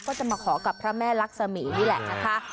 ก็จะมาขอกับพระแม่ลักษมีนี่แหละนะคะ